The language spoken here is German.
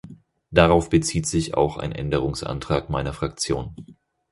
Darauf bezieht sich auch ein Änderungsantrag meiner Fraktion.